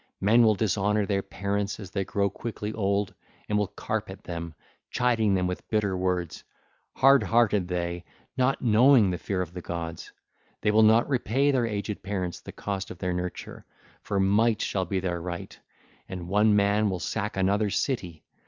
Men will dishonour their parents as they grow quickly old, and will carp at them, chiding them with bitter words, hard hearted they, not knowing the fear of the gods. They will not repay their aged parents the cost their nurture, for might shall be their right: and one man will sack another's city.